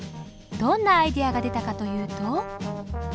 どんなアイデアが出たかというと。